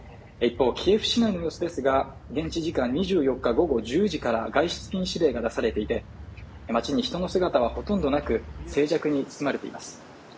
キエフ市内の様子ですが現地時間２４日午後１０時から外出禁止令が出されていて町に人の姿はほとんどなく静寂に包まれています